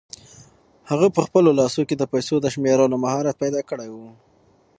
هغه په خپلو لاسو کې د پیسو د شمېرلو مهارت پیدا کړی و.